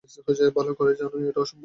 ভালো করেই জানো এটা অসম্ভব।